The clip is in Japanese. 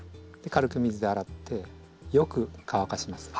軽く水で洗ってよく乾かします。